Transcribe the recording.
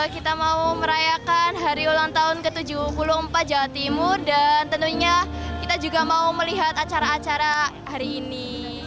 kita mau merayakan hari ulang tahun ke tujuh puluh empat jawa timur dan tentunya kita juga mau melihat acara acara hari ini